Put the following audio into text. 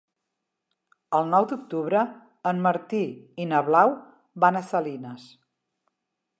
El nou d'octubre en Martí i na Blau van a Salines.